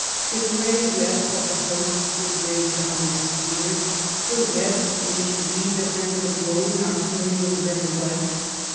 The gray web of the hosts is raised up on the spears, the web which we the friends of Woden are filling with red weft.